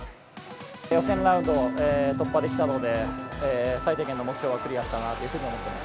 予選ラウンドを突破できたので、最低限の目標はクリアしたなというふうに思っています。